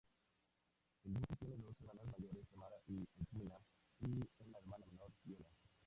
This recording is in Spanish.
El duque tiene dos hermanas mayores, Tamara y Edwina, y una hermana menor, Viola.